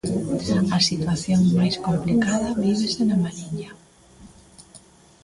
A situación máis complicada vívese na Mariña.